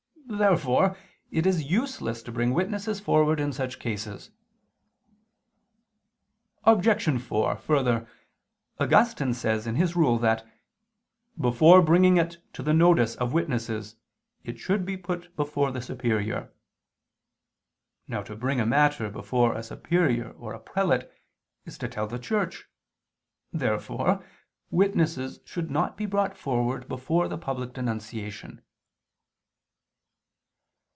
Therefore it is useless to bring witnesses forward in such cases. Obj. 4: Further, Augustine says in his Rule that "before bringing it to the notice of witnesses ... it should be put before the superior." Now to bring a matter before a superior or a prelate is to tell the Church. Therefore witnesses should not be brought forward before the public denunciation.